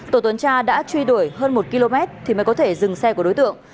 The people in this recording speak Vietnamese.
tổ tuần tra đã truy đuổi hơn một km thì mới có thể dừng xe của đối tượng